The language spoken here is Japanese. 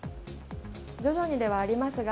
徐々にではありますが、